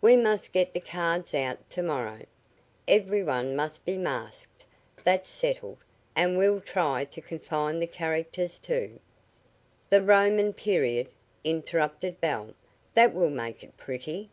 "We must get the cards out to morrow. Every one must be masked that's settled and we'll try to confine the characters to " "The Roman period," interrupted Belle. "That will make it pretty."